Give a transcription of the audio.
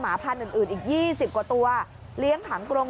พันธุ์อื่นอีก๒๐กว่าตัวเลี้ยงขังกรง